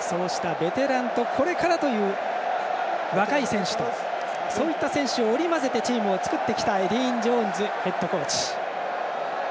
そうしたベテランとこれからという若い選手とそういった選手を織り交ぜてチームを作ってきたエディー・ジョーンズヘッドコーチ。